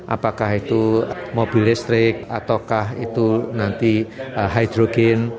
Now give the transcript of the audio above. apakah itu mobil listrik ataukah itu nanti hidrogen